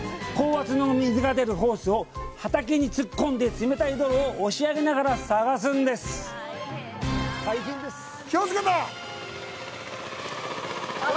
高圧の水が出るホースを畑に突っ込んで冷たい泥を押し上げながら探すんです。